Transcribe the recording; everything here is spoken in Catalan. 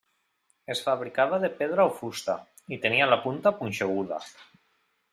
Es fabricava de pedra o fusta, i tenia la punta punxeguda.